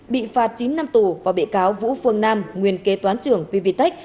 bị phạt chín năm tù và bị cáo vũ phương nam nguyên kế toán trưởng pvtec